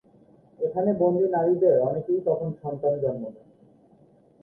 এখানে বন্দি নারীদের অনেকেই তখন সন্তান জন্ম দেন।